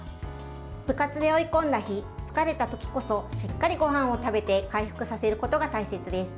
部活で追い込んだ日疲れた時こそしっかりごはんを食べて回復させることが大切です。